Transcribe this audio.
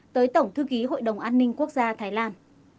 tới tổng thư ký hội đồng an ninh quốc gia thái lan